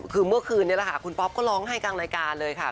คือเมื่อคืนนี้แหละค่ะคุณป๊อปก็ร้องไห้กลางรายการเลยค่ะ